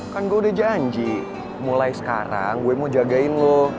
kan gue udah janji mulai sekarang gue mau jagain lo